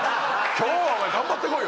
「今日はお前頑張ってこいよ」